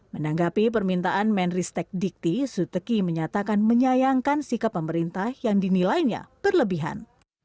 menanggapi permintaan menteri riset teknologi dan pendidikan tinggi suteki menyatakan menyayangkan sikap pemerintah yang dinilainya berlebihan